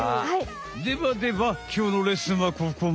デバデバきょうのレッスンはここまで！